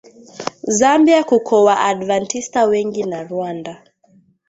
Zambia kuko wa advantista wengi na rwanda